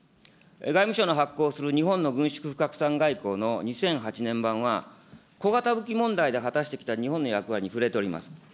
外務省の発行する日本の軍縮不拡散外交の２００８年版は、小型武器問題で果たしてきた日本の役割に触れております。